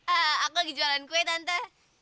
aku lagi jualan kue tante